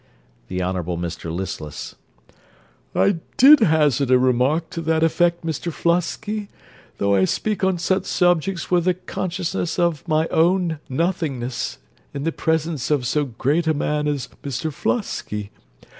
THE HONOURABLE MR LISTLESS I did hazard a remark to that effect, Mr Flosky, though I speak on such subjects with a consciousness of my own nothingness, in the presence of so great a man as Mr Flosky.